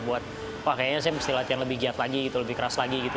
buat wah kayaknya saya mesti latihan lebih giat lagi gitu lebih keras lagi gitu